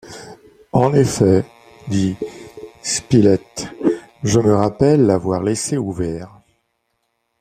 En effet, dit Spilett, je me rappelle l’avoir laissé ouvert. .